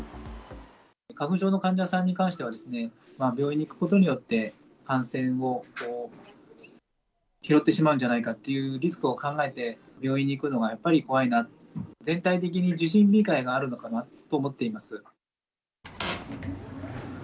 花粉症の患者さんに関しては、病院に行くことによって、感染を拾ってしまうんじゃないかというリスクを考えて病院に行くのがやっぱり怖いなと、全体的に受診控えがあるのかなと思っています。